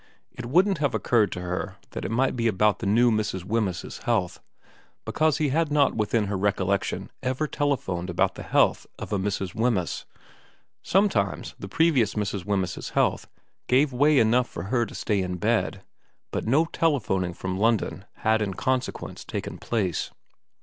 It wouldn't have occurred to her that it might be about the new Mrs. Wemyss's health, because he had not within her recollection ever tele phoned about the health of a Mrs. Wemyss. Sometimes 300 VERA xxvn the previous Mrs. Wemyss's health gave way enough for her to stay in bed, but no telephoning from London had in consequence taken place.